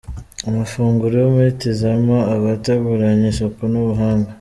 Amafunguro yo muri Tizama aba ateguranywe isuku n'ubuhanga.